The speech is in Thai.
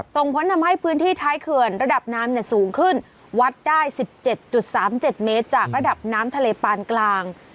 ส่งผลทำให้พื้นที่ท้ายเขื่อนระดับน้ำสูงขึ้นวัดได้๑๗๓๗เมตรจากระดับน้ำทะเลปานกลาง